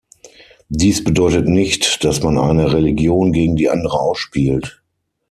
Dies bedeutet nicht, dass man eine Religion gegen die andere ausspielt.